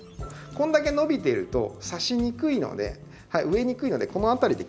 こんだけ伸びてるとさしにくいので植えにくいのでこの辺りで切って。